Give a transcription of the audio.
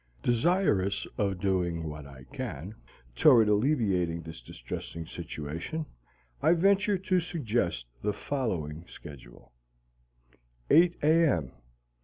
Desirous of doing what I can toward alleviating this distressing situation, I venture to suggest the following schedule: 8 A. M.